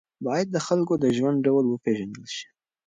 باید د خلکو د ژوند ډول وپېژندل شي.